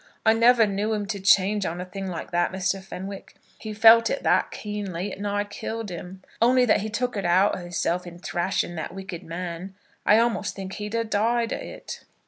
I never knew him to change on a thing like that, Mr. Fenwick. He felt it that keenly, it nigh killed 'im. Only that he took it out o' hisself in thrashing that wicked man, I a'most think he'd a' died o' it."